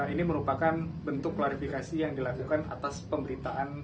ini merupakan bentuk klarifikasi yang dilakukan atas pemberitaan